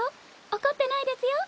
怒ってないですよ。